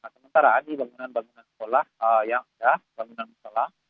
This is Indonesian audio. sementara di bangunan bangunan sekolah yang ada bangunan sekolah